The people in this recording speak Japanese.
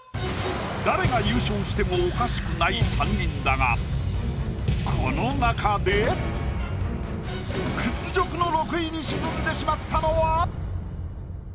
誰が優勝してもおかしくない３人だがこの中で屈辱の６位に沈んでしまったのは？